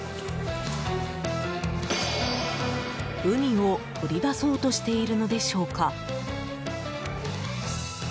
ウニを取り出そうとしているのでしょうか。